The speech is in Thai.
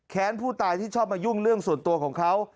ผู้ตายที่ชอบมายุ่งเรื่องส่วนตัวของเขา